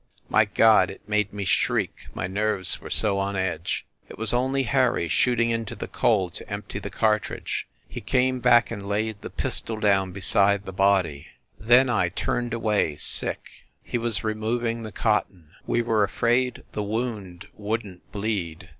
My God! It made me shriek, my nerves were so on edge. It was only Harry shooting into the coal to empty the cartridge. He came back and laid the pistol down beside the body. ... SCHEFFEL HALL 41 Then I turned away, sick. He was removing the cotton ... we were afraid the wound wouldn t bleed.